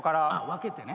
分けてね。